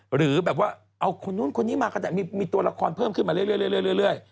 หรือแบบว่าเอาคนนู้นคนนี้มาก็ได้มีตัวละครเพิ่มขึ้นมาเรื่อย